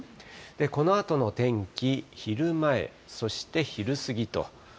このあとの天気、昼前、そして昼過ぎと。